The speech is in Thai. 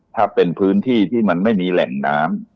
ถ้าเป็นพื้นที่ที่มันไม่มีแหล่งน้ำ